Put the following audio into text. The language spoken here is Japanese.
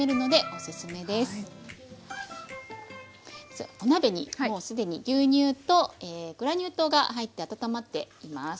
お鍋にもう既に牛乳とグラニュー糖が入って温まっています。